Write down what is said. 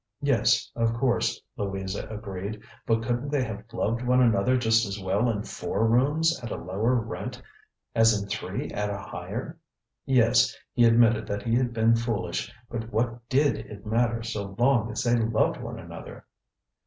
Yes, of course, Louisa agreed, but couldnŌĆÖt they have loved one another just as well in four rooms at a lower rent, as in three at a higher? Yes, he admitted that he had been foolish, but what did it matter so long as they loved one another?